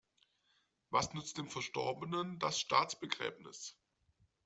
Was nützt dem Verstorbenen das Staatsbegräbnis?